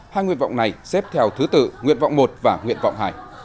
hai nguyện vọng này xếp theo thứ tự nguyện vọng một và nguyện vọng hai